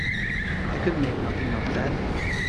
I could make nothing of that.